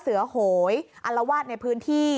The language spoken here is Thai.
เสือหวยอัลละวาทในพื้นที่